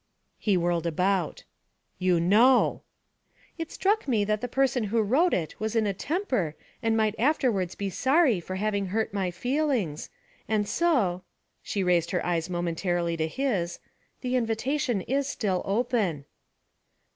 He whirled about. 'You know!' 'It struck me that the person who wrote it was in a temper and might afterwards be sorry for having hurt my feelings, and so' she raised her eyes momentarily to his 'the invitation is still open.'